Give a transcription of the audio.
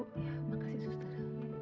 terima kasih suster